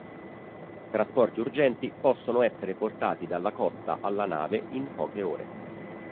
Trasporti urgenti possono essere portati dalla costa alla nave in poche ore.